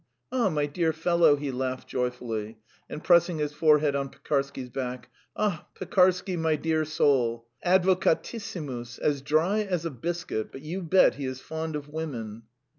Ah, my dear fellow!" he laughed joyfully, and pressing his forehead on Pekarsky's back. "Ah, Pekarsky, my dear soul! Advocatissimus as dry as a biscuit, but you bet he is fond of women.